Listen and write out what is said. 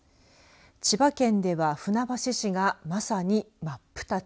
千葉県では船橋市が、まさに真っ二つ。